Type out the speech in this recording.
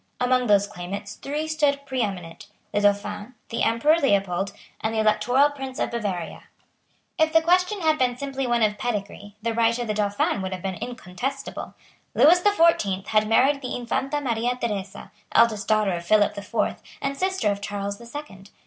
Among those claimants three stood preeminent, the Dauphin, the Emperor Leopold, and the Electoral Prince of Bavaria. If the question had been simply one of pedigree, the right of the Dauphin would have been incontestable. Lewis the Fourteeenth had married the Infanta Maria Theresa, eldest daughter of Philip the Fourth and sister of Charles the Second.